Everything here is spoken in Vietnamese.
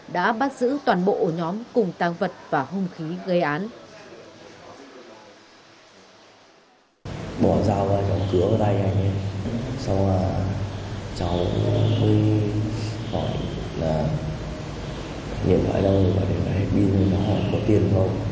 đã bắt giữ toàn bộ ổ nhóm cùng tăng vật và hung khí gây án